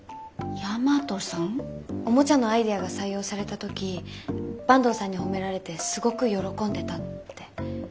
おもちゃのアイデアが採用された時坂東さんに褒められてすごく喜んでたって。